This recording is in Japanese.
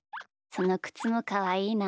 そのくつもかわいいな。